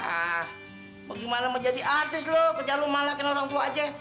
ah bagaimana mau jadi artis lo kerjaan lu malah kena orang tua aja